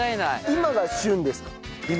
今が旬ですか？